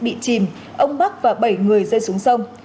bị chìm ông bắc và bảy người rơi xuống sông